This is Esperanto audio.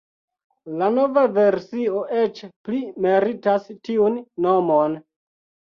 La nova versio eĉ pli meritas tiun nomon.